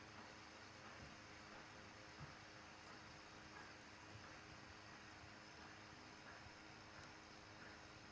pendidikan negara renungan negara teman wajib